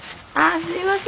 あっすいません。